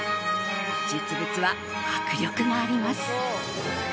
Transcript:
実物は迫力があります。